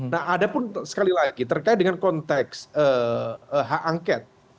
nah ada pun sekali lagi terkait dengan konteks hak angket